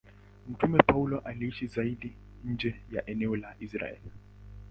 Mtume Paulo aliishi zaidi nje ya eneo la Israeli.